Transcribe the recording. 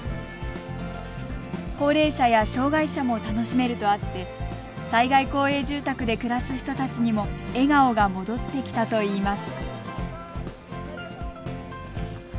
高齢者や障害者も楽しめるとあって災害公営住宅で暮らす人たちにも笑顔が戻ってきたといいます。